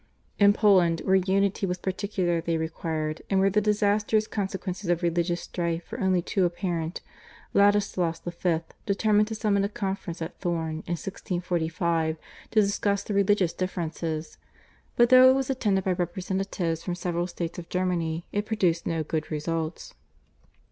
In Poland, where unity was particularly required and where the disastrous consequences of religious strife were only too apparent, Ladislaus V. determined to summon a conference at Thorn in 1645 to discuss the religious differences, but though it was attended by representatives from several states of Germany it produced no good results.